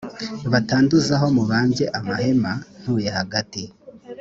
batanduza aho mubambye amahema ntuye hagati